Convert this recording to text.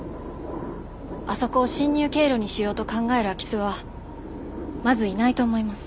あそこを侵入経路にしようと考える空き巣はまずいないと思います。